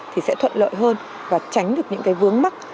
thì sẽ thuận lợi hơn và tránh được những vướng mắc